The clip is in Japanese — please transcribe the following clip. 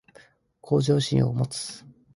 向上心を持つ